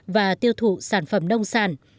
và tiêu thụ sản phẩm nông sản